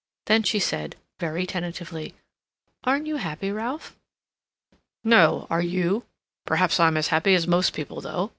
Then she said, very tentatively: "Aren't you happy, Ralph?" "No. Are you? Perhaps I'm as happy as most people, though.